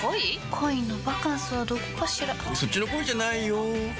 恋のバカンスはどこかしらそっちの恋じゃないよ